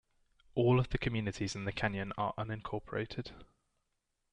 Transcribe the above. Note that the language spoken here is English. All of the communities in the canyon are unincorporated.